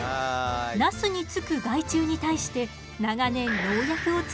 ナスにつく害虫に対して長年農薬を使っていたの。